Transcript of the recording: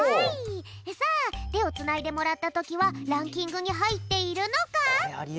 さあてをつないでもらったときはランキングにはいっているのか？